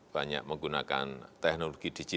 banyak menggunakan teknologi berbentuk